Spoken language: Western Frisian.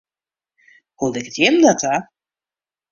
Hoe liket jim dat ta?